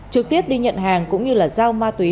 trực tiếp đi nhận hàng cũng như là giao ma túy